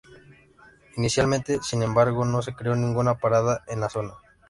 Inicialmente, sin embargo no se creó ninguna parada en la zona.